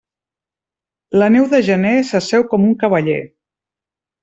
La neu de gener s'asseu com un cavaller.